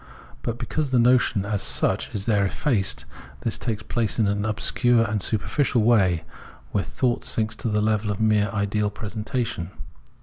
But because the notion as such is there effaced, this takes place in an obscure and superficial way, where thought sinks to the level of mere ideal presentation.